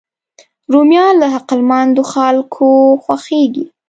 رومیان له عقلمندو خلکو خوښېږي